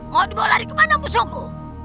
mau dibawa lari kemana musuhmu